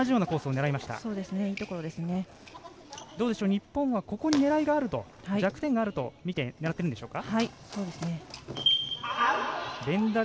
日本はここに狙いがあると弱点があると見て狙っているんでしょうね。